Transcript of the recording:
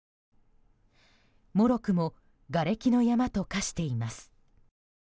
もろくもがれきの山と化しています。